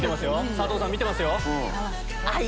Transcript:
佐藤さん見てますよ。